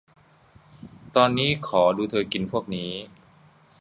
ตอนนี้ขอดูเธอกินพวกนี้